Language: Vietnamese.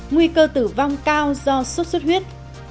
nguy cơ tử vong cao do sốt xuất huyết